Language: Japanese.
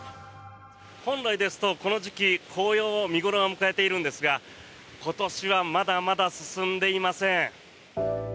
本来ですとこの時期紅葉が見頃を迎えているんですが今年はまだまだ進んでいません。